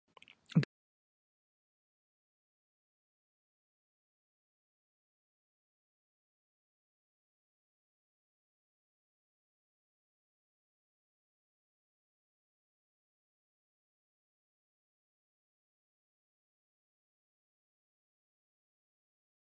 Era el cuarto año consecutivo que se realizaba la Teletón.